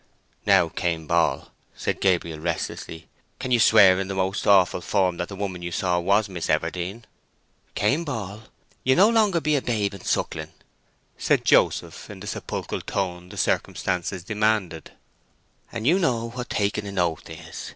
"Now, Cain Ball," said Gabriel restlessly, "can you swear in the most awful form that the woman you saw was Miss Everdene?" "Cain Ball, you be no longer a babe and suckling," said Joseph in the sepulchral tone the circumstances demanded, "and you know what taking an oath is.